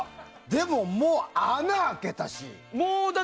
でも、もう穴開けたし。